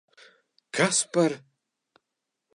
Kas par...